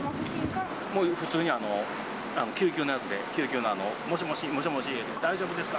もう普通に、救急のやつで、救急のあの、もしもし、もしもし、大丈夫ですか？